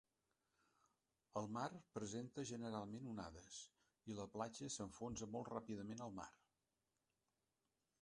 El mar presenta generalment onades i la platja s'enfonsa molt ràpidament al mar.